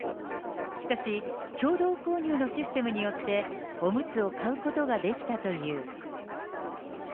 しかし、共同購入のシステムによって、おむつを買うことができたという。